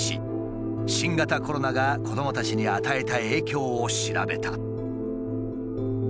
新型コロナが子どもたちに与えた影響を調べた。